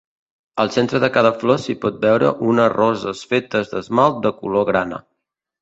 Al centre de cada flor s'hi pot veure unes roses fetes d'esmalt de color grana.